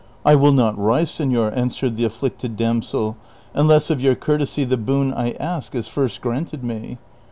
" I will not rise, sefior," answered the afflicted damsel, " un less of your courtesy the boon I ask is first granted me."